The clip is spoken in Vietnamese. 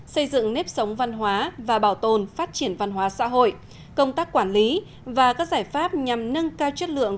xây dựng nếp sống văn hóa và bảo tồn phát triển văn hóa xã hội công tác quản lý và các giải pháp nhằm nâng cao chất lượng